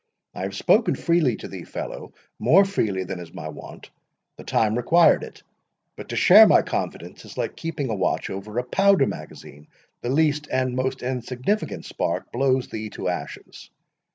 I have spoken freely to thee, fellow—more freely than is my wont—the time required it. But, to share my confidence is like keeping a watch over a powder magazine, the least and most insignificant spark blows thee to ashes.